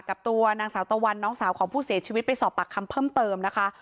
กับตัวนางสาวตะวันน้องสาวของผู้เสียชีวิตไปสอบปากคำเพิ่มเติมนะคะ